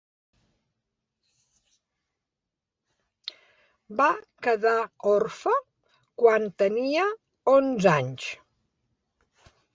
Va quedar orfe quan tenia onze anys.